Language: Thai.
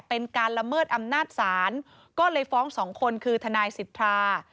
เป็นการละเมิดอำนาจศาลก็เลยฟ้องสองคนคือทนายสิทธา